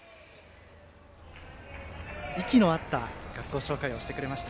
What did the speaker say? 息の合った学校紹介をしてくれました。